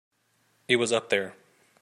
It was up there.